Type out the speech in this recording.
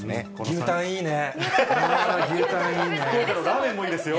牛タンいいね。